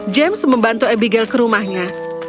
james membantu abigail ke rumahnya